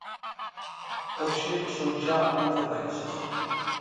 Hoxe son xa once países.